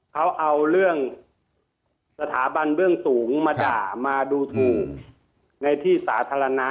เขาเอาเรื่องสถาบันเบื้องสูงมาด่ามาดูถูกในที่สาธารณะ